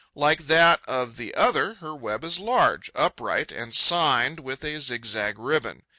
Like that of the other, her web is large, upright and 'signed' with a zigzag ribbon.